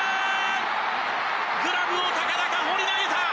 グラブを高々、放り投げた！